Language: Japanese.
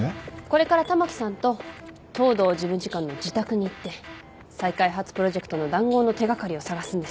これから環さんと藤堂事務次官の自宅に行って再開発プロジェクトの談合の手掛かりを捜すんです。